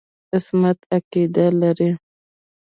عصمت عقیده لري.